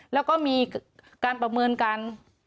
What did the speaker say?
แล้วก็มีการประเมินกัน